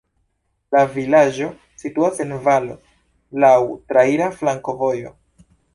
La vilaĝo situas en valo, laŭ traira flankovojo.